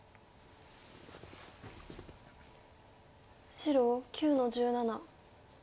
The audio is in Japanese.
白９の十七。